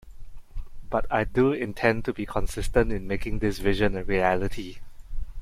But I do intend to be consistent in making this vision a reality.